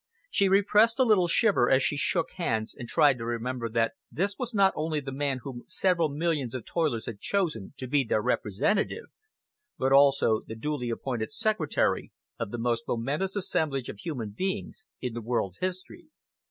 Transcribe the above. She repressed a little shiver as she shook hands and tried to remember that this was not only the man whom several millions of toilers had chosen to be their representative, but also the duly appointed secretary of the most momentous assemblage of human beings in the world's history.